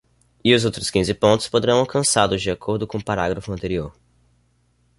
E os outros quinze pontos poderão alcançá-los de acordo com o parágrafo anterior.